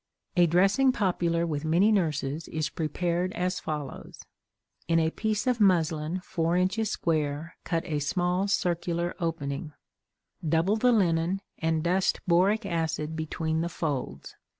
A dressing popular with many nurses is prepared as follows: In a piece of muslin four inches square cut a small circular opening; double the linen and dust boric acid between the folds.